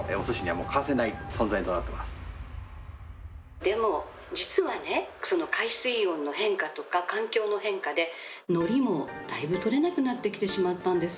でも実はね、その海水温の変化とか環境の変化でのりもだいぶ取れなくなってきてしまったんです。